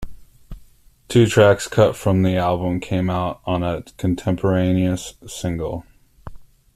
Two tracks cut from the album came out on a contemporaneous single.